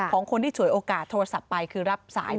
ของคนที่ฉวยโอกาสโทรศัพท์ไปคือรับสาย